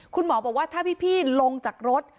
คุณหมอบอกว่าถ้าพี่ลงจากรถ